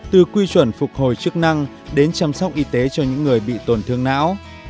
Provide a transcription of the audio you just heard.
từ quy chuẩn phục hồi chức năng đến chăm sóc y tế cho những người bị tổn thương não